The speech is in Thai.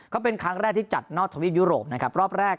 ก็เป็นครั้งแรกที่จัดนอกทวีปยุโรปนะครับรอบแรก